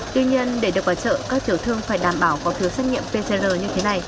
tuy nhiên để được vào chợ các tiểu thương phải đảm bảo có phiếu xét nghiệm pcr như thế này